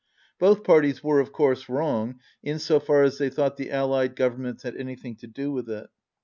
Both parties were, of course, wrong in so far as they thought the Allied Governments had anything to do with it.